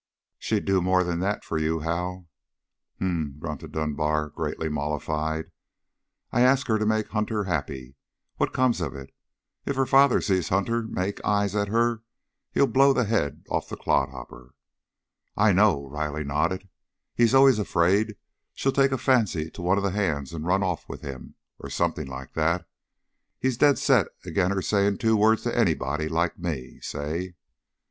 "She'd do more than that for you, Hal." "H'm," grunted Dunbar, greatly mollified. "I ask her to make Hunter happy. What comes of it? If her father sees Hunter make eyes at her he'll blow the head off the clodhopper." "I know." Riley nodded. "He's always afraid she'll take a fancy to one of the hands and run off with him, or something like that. He's dead set agin' her saying two words to anybody like me, say!"